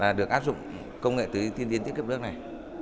là được áp dụng công nghệ tưới tiên tiến thiết kiệm nước này